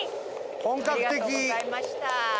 本格的！